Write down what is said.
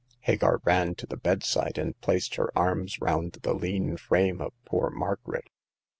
" Hagar ran to the bedside, and placed her arms round the lean frame of poor Margaret.